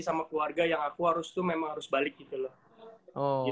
sama keluarga yang aku harus tuh memang harus balik gitu loh